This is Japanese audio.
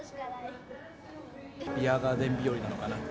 ビアガーデン日和なのかなって。